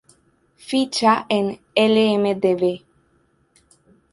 Ficha en Imdb